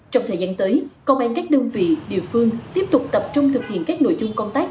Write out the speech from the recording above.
trong thời gian tới công an các đơn vị địa phương tiếp tục tập trung thực hiện các nội chung công tác